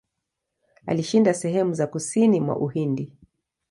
Alishinda sehemu za kusini mwa Uhindi.